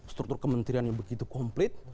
struktur kementerian yang begitu komplit